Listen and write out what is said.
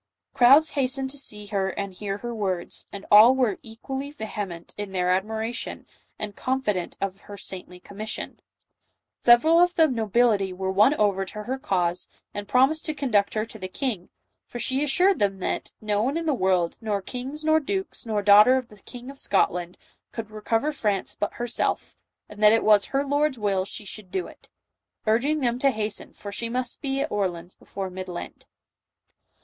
Crowds hastened to see her and hear her words, and all were equally vehement in their admiration, and confident of her saintly commission. Several of the nobility were won over to her cause, and promised to conduct her to the king, for she assured them that "no one in the world, nor kings, nor dukes, nor daughter of the King of Scotland, could recover France but her self, and that it was her Lord's will she should do it," urging them to hasten, for she must be at Orleans before Mid Lent.